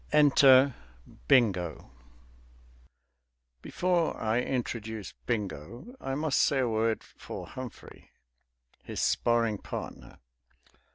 ENTER BINGO Before I introduce Bingo I must say a word for Humphrey, his sparring partner.